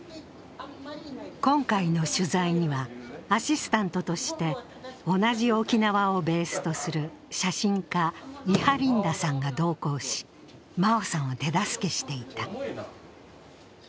今回の取材にはアシスタントとして同じ沖縄をベースとする写真家・伊波リンダさんが同行し、真生さんを手助けしていた。